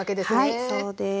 はいそうです。